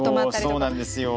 そうなんですよ。